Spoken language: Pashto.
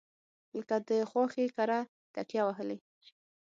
لکه د خواښې کره تکیه وهلې.